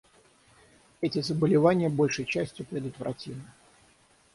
Эти заболевания большей частью предотвратимы.